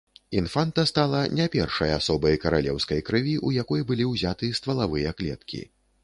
Інфанта стала не першай асобай каралеўскай крыві, у якой былі ўзяты ствалавыя клеткі.